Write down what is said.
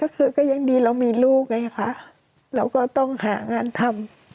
ก็คือก็ยังดีเรามีลูกไงคะเราก็ต้องหางานทำ